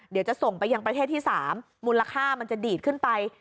เดี๋ยวจะส่งไปยังประเทศที่๓มูลค่ามันจะดีดขึ้นไป